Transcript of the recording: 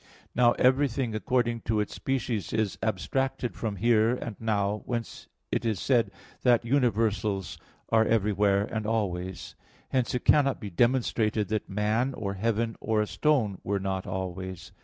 Now everything according to its species is abstracted from "here" and "now"; whence it is said that universals are everywhere and always. Hence it cannot be demonstrated that man, or heaven, or a stone were not always.